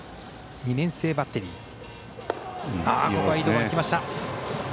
２年生バッテリー。